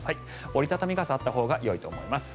折り畳み傘があったほうがよいと思います。